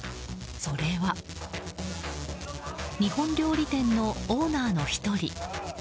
それは日本料理店のオーナーの１人。